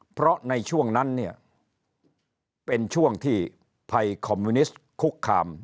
เพราะในช่วงนั้นเนี่ยเป็นช่วงที่ภัยคอมมิวนิสต์คุกคาม